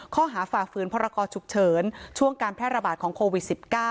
ฝ่าฝืนพรกรฉุกเฉินช่วงการแพร่ระบาดของโควิด๑๙